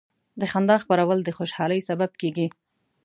د خندا خپرول د خوشحالۍ سبب کېږي.